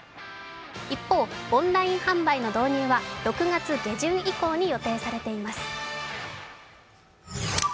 一方、オンライン販売の導入は６月下旬以降に予定されています。